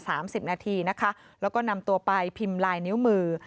สามสิบนาทีนะคะแล้วก็นำตัวไปพิมพ์ลายนิ้วมือ